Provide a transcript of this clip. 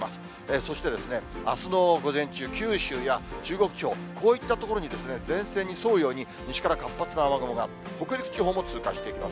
そしてあすの午前中、九州や中国地方、こういった所に、前線に沿うように西から活発な雨雲が、北陸地方も通過していきます。